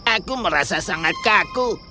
aku merasa sangat kaku